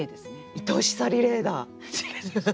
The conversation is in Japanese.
いとしさリレーだ！